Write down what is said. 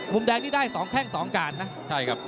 มุมแดงนี่ได้๒แข้ง๒การนะใช่ครับ